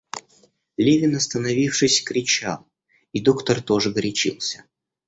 Левин, остановившись, кричал, и доктор тоже горячился.